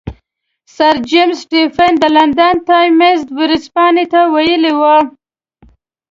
سر جیمز سټیفن د لندن ټایمز ورځپاڼې ته ویلي وو.